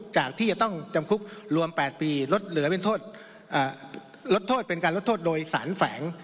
จากที่จะต้องจำคุกรวม๘ปีลดโทษเป็นการลดโทษโดยสารแฝง